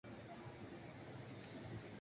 روس کے ملک الشعراء “رسول ھمزہ توف“ کی خوبصورت نظم